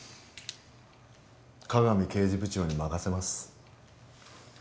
加賀見刑事部長に任せます